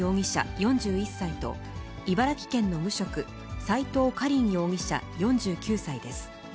４１歳と茨城県の無職、齋藤果林容疑者４９歳です。